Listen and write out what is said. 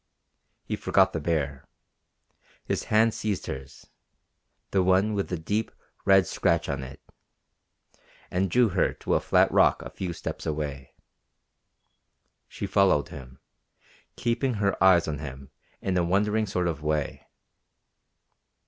He forgot the bear. His hand seized hers the one with the deep, red scratch on it and drew her to a flat rock a few steps away. She followed him, keeping her eyes on him in a wondering sort of way.